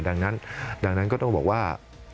ดังนั้นก็ต้องบอกว่า